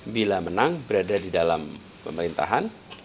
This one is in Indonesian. bila menang berada di dalam pemerintahan